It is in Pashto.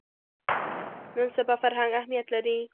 نن سبا فرهنګ اهمیت لري